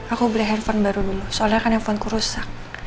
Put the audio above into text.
aku beli handphone baru dulu soalnya kan handphoneku rusak